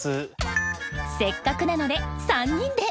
せっかくなので３人で。